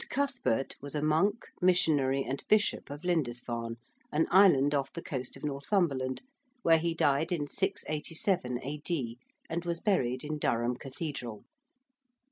Cuthbert~ was a monk, missionary, and bishop of Lindesfarne, an island off the coast of Northumberland, where he died in 687 A.D., and was buried in Durham Cathedral.